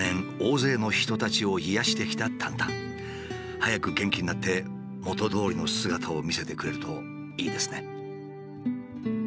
早く元気になって元どおりの姿を見せてくれるといいですね。